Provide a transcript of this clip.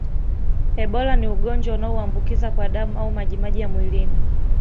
Ebola ni ugonjwa unaoambukiza kwa damu au majimaji ya mwilini